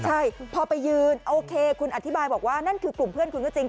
ใช่พอไปยืนโอเคคุณอธิบายบอกว่านั่นคือกลุ่มเพื่อนคุณก็จริง